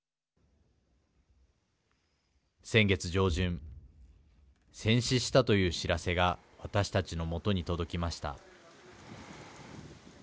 先月上旬戦死したという知らせが私たちの元に届きました。